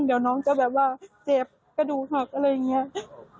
เดี๋ยวน้องจะแบบว่าเจ็บกระดูกหักอะไรอย่างนี้